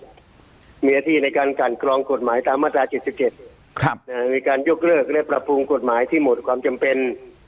มีหน้าที่ในการกันกรองกฎหมายตามมาตรา๗๗ในการยกเลิกและปรับปรุงกฎหมายที่หมดความจำเป็น